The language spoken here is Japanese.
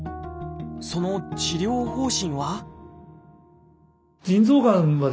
その治療方針は？